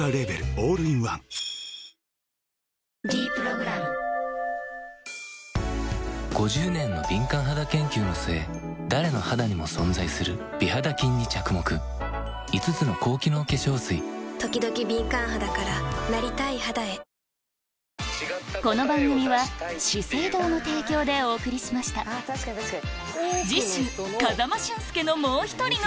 オールインワン「ｄプログラム」５０年の敏感肌研究の末誰の肌にも存在する美肌菌に着目５つの高機能化粧水ときどき敏感肌からなりたい肌へステキな番組っすね！